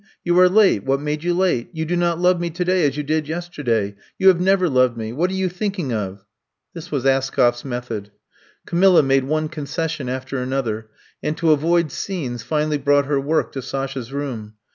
You are late — ^what made you late ? You do not love me today as you did yesterday. You have never loved me. What are you thinking of?" This was Askoflf's method. Camilla made one concession after an other, and to avoid scenes finally brought her work to Sasha's room.